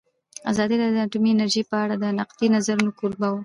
ازادي راډیو د اټومي انرژي په اړه د نقدي نظرونو کوربه وه.